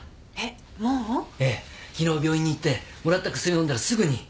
ええ昨日病院に行ってもらった薬飲んだらすぐに。